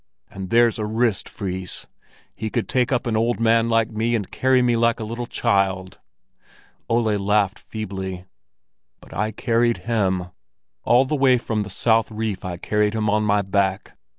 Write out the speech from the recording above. "And there's a wrist, Fris! He could take up an old man like me and carry me like a little child." Ole laughed feebly. "But I carried him; all the way from the south reef I carried him on my back.